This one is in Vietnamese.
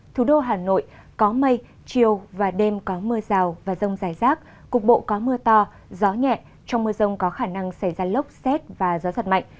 thủ đô hà nội có mây chiều và đêm có mưa rào và rông dài rác cục bộ có mưa to gió nhẹ trong mưa rông có khả năng xảy ra lốc xét và gió giật mạnh